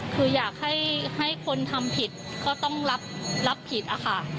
คืออยากให้คนทำผิดก็ต้องรับผิดอะค่ะ